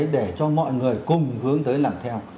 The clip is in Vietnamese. để cho mọi người cùng hướng tới làm theo